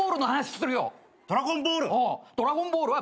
『ドラゴンボール』？